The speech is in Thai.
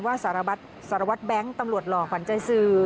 ว่าสารวัฒน์แบงค์ตำรวจหล่อฝันใจซื้อ